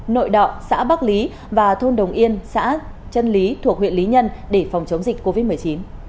nội đọng xã bắc lý và thôn đồng yên xã trân lý thuộc huyện lý nhân để phòng chống dịch covid một mươi chín